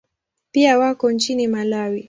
Pia wako nchini Malawi.